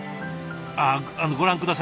ご覧下さい。